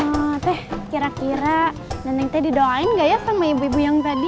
eh teh kira kira nenek teh didoain gak ya sama ibu ibu yang tadi